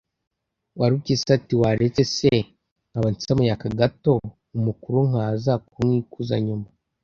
“ warupyisi iti: “waretse se nkaba nsamuye aka gato, umukuru nkaza kumwikuza nyuma?”